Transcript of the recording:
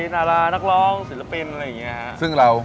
นารานักร้องศิลปินอะไรอย่างเงี้ย